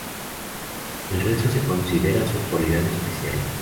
El rezo se considera su cualidad especial.